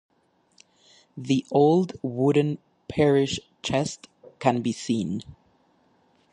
The old wooden parish chest can be seen.